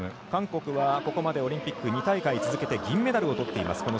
韓国は、ここまでオリンピック２大会連続銀メダルをとっています。